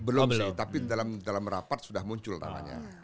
belum sih tapi dalam rapat sudah muncul namanya